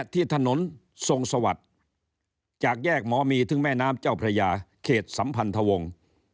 ที่ถนนทรงสวัสดิ์จากแยกหมอมีถึงแม่น้ำเจ้าพระยาเขตสัมพันธวงศ์